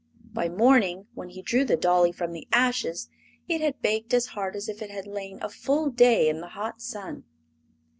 By morning, when he drew the dolly from the ashes, it had baked as hard as if it had lain a full day in the hot sun.